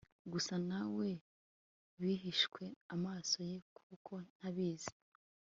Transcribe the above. gusa nawe bihishwe amaso ye kuko ntabizi